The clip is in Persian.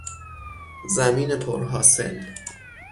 زمین پر حاصل